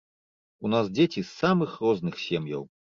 У нас дзеці з самых розных сем'яў.